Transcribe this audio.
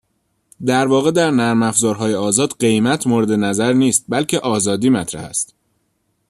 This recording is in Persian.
در واقع در نرم افزارهای آزاد قیمت مورد نظر نیست بلکه آزادی مطرح است.